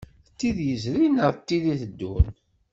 D tid yezrin neɣ tid i d-iteddun.